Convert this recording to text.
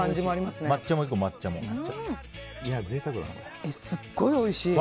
すごいおいしい！